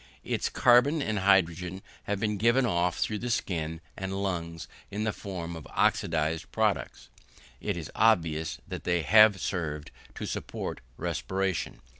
Its carbon and hydrogen have been given off through the skin and lungs in the form of oxidised products; it is obvious that they have served to support respiration.